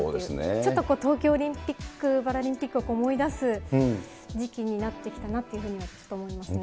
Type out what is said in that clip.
ちょっと東京オリンピック・パラリンピックを思い出す時期になってきたなというふうにはちょっと思いますね。